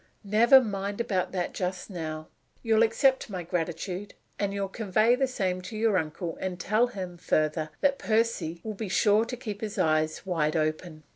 "Never mind about that just now. You'll accept my gratitude; and you'll convey the same to your uncle, and tell him, further, that Percy will be sure to keep his eyes wide open."